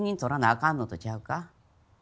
かんのとちゃうか？